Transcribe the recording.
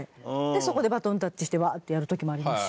そこでバトンタッチしてワーッてやる時もありますし。